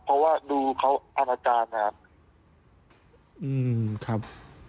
เพราะว่าดูเขาอาณาจารย์นะครับ